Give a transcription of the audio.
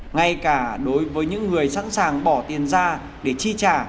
ngay cả đối với những người sẵn sàng bỏ tiền ra để chi trả